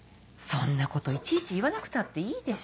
そんなこといちいち言わなくたっていいでしょ？